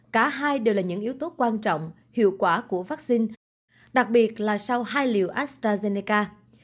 cả hai đều là những yếu tố quan trọng hiệu quả của vaccine đặc biệt là sau hai liều astrazeneca